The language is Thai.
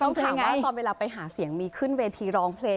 ต้องถามว่าตอนเวลาไปหาเสียงมีขึ้นเวทีร้องเพลง